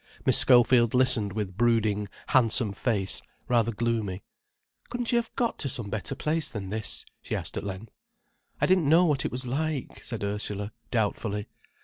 Miss Schofield listened with brooding, handsome face, rather gloomy. "Couldn't you have got to some better place than this?" she asked at length. "I didn't know what it was like," said Ursula, doubtfully.